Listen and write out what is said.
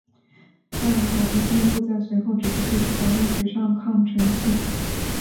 但海军司令部在随后指示必须保证水上抗沉性。